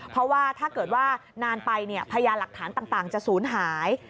เพราะว่าถ้าเกิดว่านานไปพยานหลักฐานต่างจะศูนย์หาย